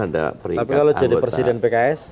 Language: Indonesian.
tapi kalau jadi presiden pks